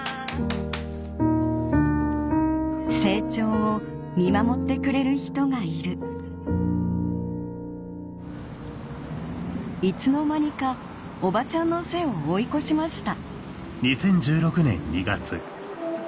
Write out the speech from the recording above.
成長を見守ってくれる人がいるいつの間にかおばちゃんの背を追い越しました